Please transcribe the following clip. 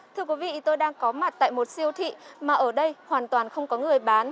thưa quý vị tôi đang có mặt tại một siêu thị mà ở đây hoàn toàn không có người bán